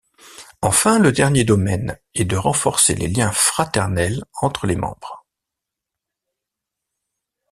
Enfin le dernier domaine est de renforcer les liens fraternels entre les membres.